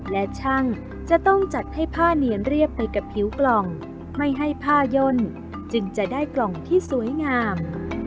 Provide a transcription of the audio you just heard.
และช่างจะต้องจัดให้ผ้าเนียนเรียบไปกับผิวกล่องไม่ให้ผ้าย่นจึงจะได้กล่องที่สวยงาม